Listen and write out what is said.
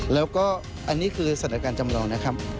แล้วก็อันนี้คือสถานการณ์จำลองนะครับ